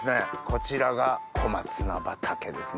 こちらが小松菜畑ですね。